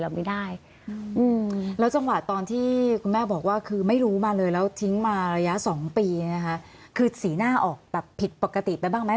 แล้วสองปีคือสีหน้าออกผิดปกติไปบ้างไหม